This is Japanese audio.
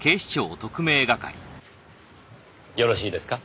よろしいですか？